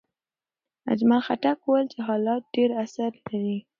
اجمل خټک وویل چې حالات ډېر اثر لري.